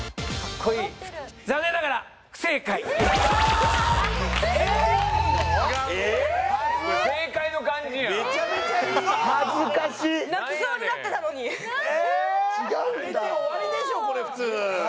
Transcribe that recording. これで終わりでしょこれ普通！